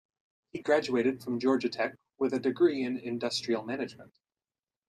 He graduated from Georgia Tech with a degree in Industrial Management.